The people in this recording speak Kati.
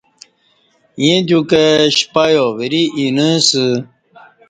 ییں دیو کہ شپہ یا وری اینہ اسہ